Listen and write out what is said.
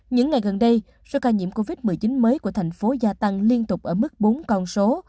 những ngày gần đây số ca nhiễm covid một mươi chín mới của thành phố gia tăng liên tục ở mức bốn con số